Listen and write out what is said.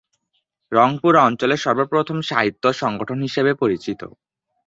রংপুর অঞ্চলের সর্বপ্রথম সাহিত্য সংগঠন হিসাবে পরিচিত।